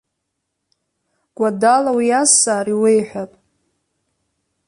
Гәадала уиазҵаар, иуеиҳәап.